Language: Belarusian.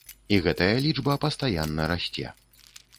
І гэтая лічба пастаянна расце.